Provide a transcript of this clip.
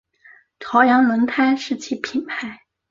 朝阳轮胎是其品牌。